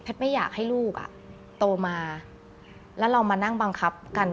ไม่อยากให้ลูกอ่ะโตมาแล้วเรามานั่งบังคับกัน